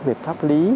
về pháp lý